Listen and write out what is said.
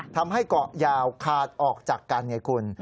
ทำให้เกาะยาวขาดออกจากกันไงคุณ